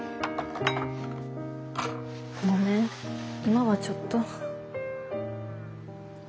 ごめん今はちょっと。